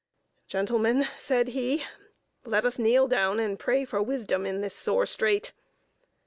"Gentlemen," said he, "let us kneel down and pray for wisdom, in this sore strait."